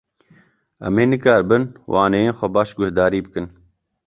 Em ê nikaribin waneyên xwe baş guhdarî bikin.